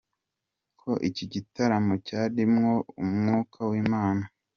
com ko iki gitaramo cyarimwo Umwuka w’Imana.